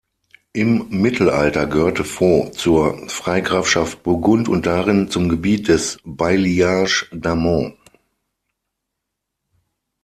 Im Mittelalter gehörte Vaux zur Freigrafschaft Burgund und darin zum Gebiet des Bailliage d’Amont.